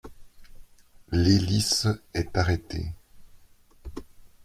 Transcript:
L'hélice est arrêtée.